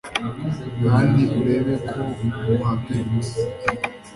Kandi urebe ko uhagaritse